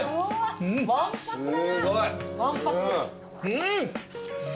うん。